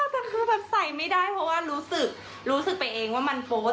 แต่คือแบบใส่ไม่ได้เพราะว่ารู้สึกรู้สึกไปเองว่ามันโพสต์